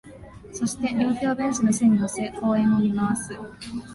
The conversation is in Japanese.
そして、両手をベンチの背に乗せ、公園を見回す